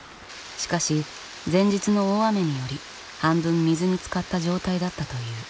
しかし前日の大雨により半分水につかった状態だったという。